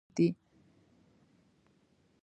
په افغانستان کې د مېوې لپاره طبیعي شرایط مناسب دي.